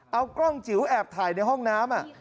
เอากล้องจิ๋วแอบถ่ายในห้องน้ำ